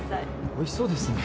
おいしそうですね。